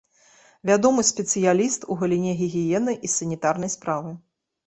Вядомы спецыяліст у галіне гігіены і санітарнай справы.